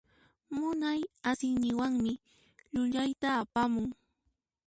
Munay asiyninwanmi llullayta apamun.